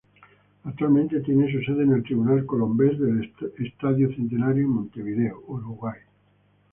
Actualmente tiene su sede en la Tribuna Colombes del Estadio Centenario, en Montevideo, Uruguay.